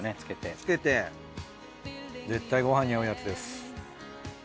つけて絶対ごはんに合うやつです。